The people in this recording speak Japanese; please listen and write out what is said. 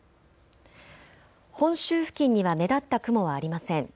本州付近には目立った雲はありません。